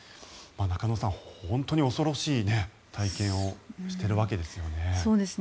中野さん、本当に恐ろしい体験をしているわけですよね。